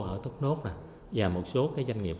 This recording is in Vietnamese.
ở tốt nốt và một số doanh nghiệp